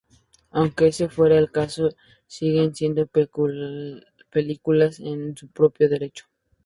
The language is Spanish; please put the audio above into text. Aunque ese fuera el caso, siguen siendo películas en su propio derecho.